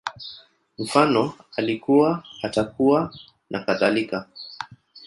Mfano, Alikuwa, Atakuwa, nakadhalika